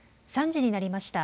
３時になりました。